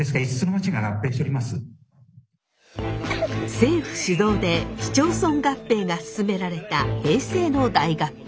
政府主導で市町村合併が進められた平成の大合併。